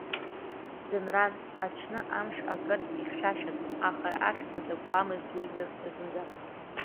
Ӡынран, аҽны амш акыргьы ихьшәашәан, аха хьҭа дакуамызт уи зынӡа.